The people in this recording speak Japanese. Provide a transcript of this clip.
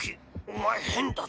お前変だぞ。